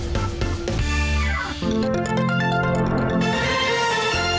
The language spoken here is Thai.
คือเราจำนาน